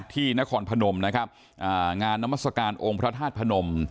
ที่นครพนมนะครับงานนามัศกาลองค์พระธาตุพนม